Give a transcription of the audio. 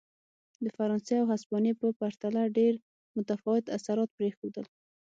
د فرانسې او هسپانیې په پرتله ډېر متفاوت اثرات پرېښودل.